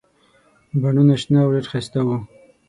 بڼونه شنه او ډېر ښایسته وو.